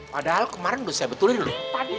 padahal kemarin udah saya betulin loh